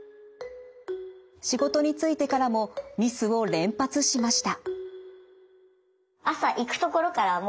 仕事に就いてからもミスを連発しました。